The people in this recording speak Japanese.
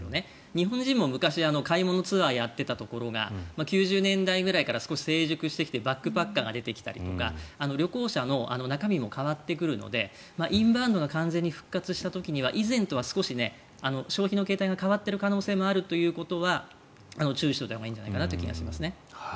日本人も昔、買い物ツアーをやっていたところが９０年代ぐらいから少し成熟してきてバックパッカーが出てきたりとか旅行者の中身も変わってくるのでインバウンドが完全に復活した時には以前とは少し消費の形態が変わっている可能性があるということは注意しておいたほうがいいんじゃないかなという気はしますね。